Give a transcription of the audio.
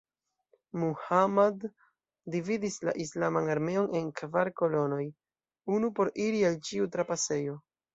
Muhammad dividis la islaman armeon en kvar kolonoj: unu por iri al ĉiu trapasejo.